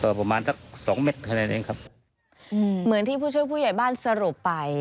ประมาณสักสองเม็ดขนาดนั้นเองครับอืมเหมือนที่ผู้ช่วยผู้ใหญ่บ้านสรุปไป